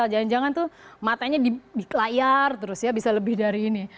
jangan jangan tuh matanya di layar terus ya bisa lebih dari ini